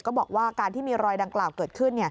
ก็บอกว่าการที่มีรอยดังกล่าวเกิดขึ้น